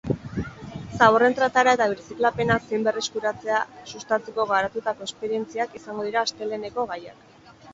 Zaborren trataera eta birziklapena zein berreskuratzea sustatzeko garatutako esperientziak izango dira asteleheneko gaiak.